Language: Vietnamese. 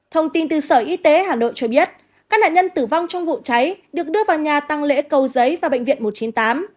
thông tin từ sở y tế hà nội cho biết các nạn nhân tử vong trong vụ cháy được đưa vào nhà tăng lễ cầu giấy và bệnh viện một trăm chín mươi tám